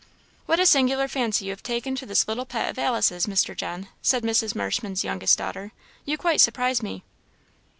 "What a singular fancy you have taken to this little pet of Alice's, Mr. John!" said Mrs. Marshman's youngest daughter. "You quite surprise me."